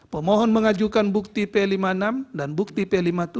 pemohon mengajukan bukti p lima puluh enam dan bukti p lima puluh tujuh